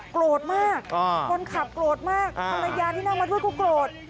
โกรธมากคนขับโกรธมากภรรยาที่นั่งมาด้วยก็โกรธ